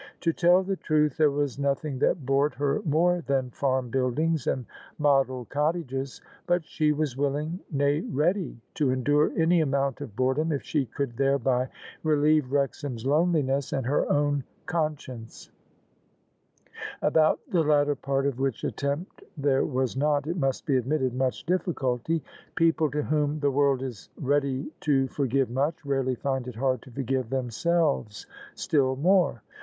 To tell the truth, there was nothing that bored her more than farm buildings and model cottages: but she was willing — nay ready — to endure any amount of boredom if she could thereby relieve Wrexham's loneliness and her own con science : about the latter part of which attempt there was not, it must be admitted, much difficulty. People to whom the world IS ready to forgive much, rarely find it hard to forgive ^ themselves still more.